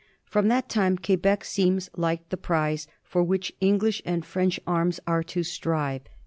From that time Quebec seems like the prize for which English and French arms are to strive.